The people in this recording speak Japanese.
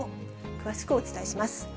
詳しくお伝えします。